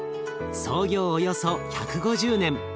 創業およそ１５０年。